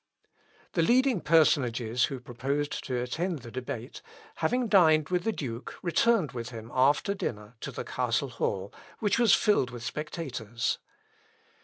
The leading personages who proposed to attend the debate, having dined with the duke, returned with him after dinner to the castle hall, which was filled with spectators.